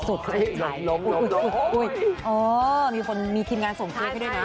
หลบโอ้ยมีคนมีทีมงานส่งเครียดให้ด้วยไหม